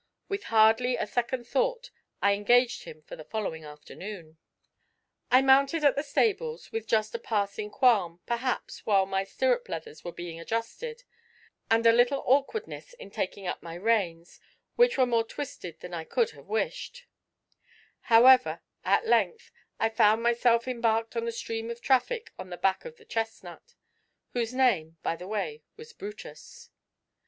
With hardly a second thought, I engaged him for the following afternoon. I mounted at the stables, with just a passing qualm, perhaps, while my stirrup leathers were being adjusted, and a little awkwardness in taking up my reins, which were more twisted than I could have wished; however, at length, I found myself embarked on the stream of traffic on the back of the chestnut whose name, by the way, was Brutus.